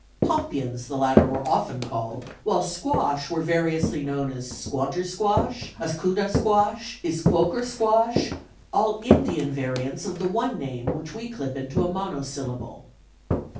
"Pompions," the latter were often called, while "squash" were variously known as squantersquash, askutasquash, isquoukersquash, all Indian variants of the one name which we clip into a monosyllable.